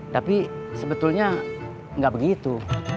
tapi sebetulnya gak begitu